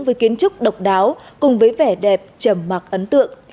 với kiến trúc độc đáo cùng với vẻ đẹp trầm mạc ấn tượng